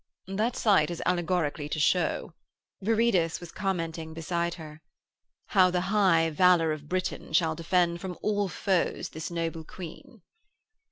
'That sight is allegorically to show,' Viridus was commenting beside her, 'how the high valour of Britain shall defend from all foes this noble Queen.'